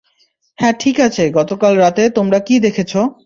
হ্যাঁ ঠিক আছে গতকাল রাতে তোমরা কি দেখেছো?